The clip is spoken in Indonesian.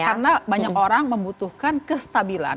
karena banyak orang membutuhkan kestabilan